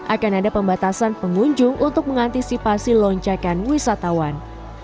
akan ada pembatasan pengunjung untuk mengantisipasi lonjakan wisatawan